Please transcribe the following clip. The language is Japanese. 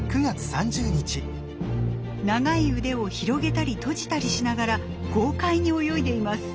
長い腕を広げたり閉じたりしながら豪快に泳いでいます。